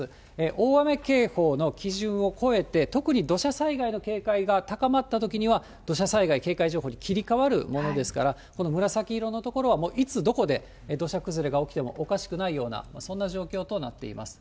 大雨警報の基準を超えて、特に土砂災害の警戒が高まったときには、土砂災害警戒情報に切り替わるものですから、この紫色の所はもういつどこで土砂崩れが起きてもおかしくないような、そんな状況となっています。